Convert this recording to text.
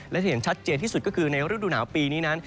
และที่เห็นชัดเจนที่สุดก็คือในฤดูหนาวปีนี้นั้น